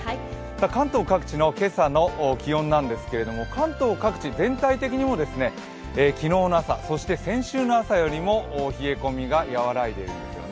関東各地の今朝の気温なんですけれども、関東各地全体的にも昨日の朝、そして先週の朝よりも冷え込みが和らいでいるんですよね。